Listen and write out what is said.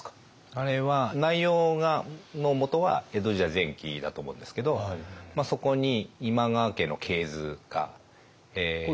あれは内容のもとは江戸時代前期だと思うんですけどそこに今川家の系図が写されていて。